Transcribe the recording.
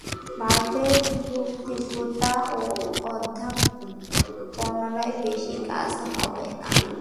ভারতে বক্তৃতা ও অধ্যাপনায় বেশী কাজ হবে না।